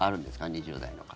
２０代の方。